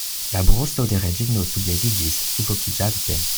La brusto de Reĝino subleviĝis, sufokiĝante.